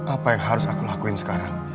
apa yang harus aku lakuin sekarang